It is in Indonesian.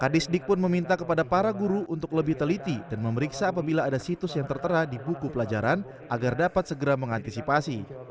kadis dik pun meminta kepada para guru untuk lebih teliti dan memeriksa apabila ada situs yang tertera di buku pelajaran agar dapat segera mengantisipasi